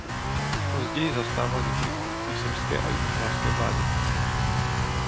Později zastával několik funkcí v srbské a jugoslávské vládě.